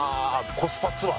コスパツアー！